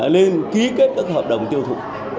lên ký kết các hợp đồng tiêu thụ